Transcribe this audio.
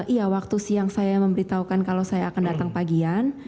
iya waktu siang saya memberitahukan kalau saya akan datang pagian